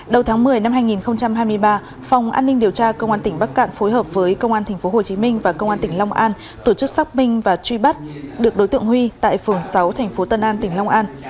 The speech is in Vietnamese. đầu tháng một mươi năm hai nghìn hai mươi ba phòng an ninh điều tra công an tỉnh bắc cạn phối hợp với công an tp hcm và công an tỉnh long an tổ chức xác minh và truy bắt được đối tượng huy tại phường sáu tp tân an tỉnh long an